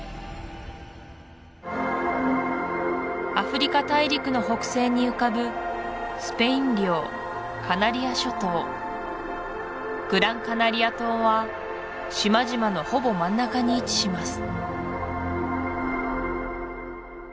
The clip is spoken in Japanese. アフリカ大陸の北西に浮かぶスペイン領カナリア諸島グラン・カナリア島は島々のほぼ真ん中に位置します